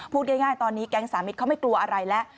พูดง่ายตอนนี้แก๊งสามิตรเขาไม่กลัวอะไรแล้ว